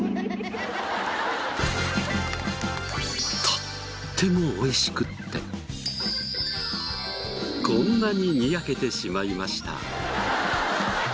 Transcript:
とっても美味しくってこんなにニヤけてしまいました。